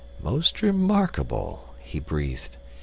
"Most remarkable," he breathed.